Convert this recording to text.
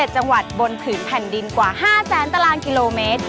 ๗จังหวัดบนผืนแผ่นดินกว่า๕แสนตารางกิโลเมตร